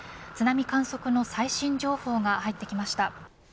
津波観測の最新情報が入ってきました。